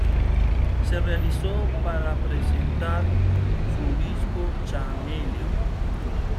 Se realizó para presentar su disco Chameleon.